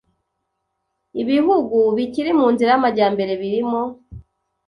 ibihugu bikiri mu nzira y’amajyambere birimo